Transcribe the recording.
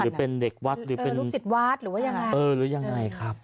หรือเป็นเด็กวัดหรือเป็นลูกศิษย์วาดหรือยังไง